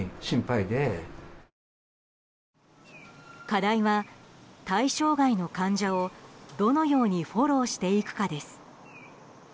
課題は、対象外の患者をどのようにフォローしていくかです。